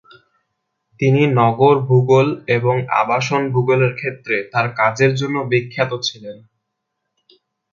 তিনি নগর ভূগোল এবং আবাসন ভূগোলের ক্ষেত্রে তাঁর কাজের জন্য বিখ্যাত ছিলেন।